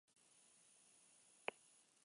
Euskalkiei buruz arituko dira harremanen tertulian.